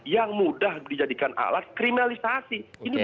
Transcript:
yang mudah dijadikan alat kriminalisasi